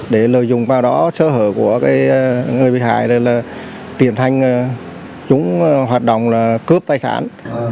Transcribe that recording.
để lợi dụng vào đó sở hữu của người bị hại là tiềm thanh chúng hoạt động là cướp tài sản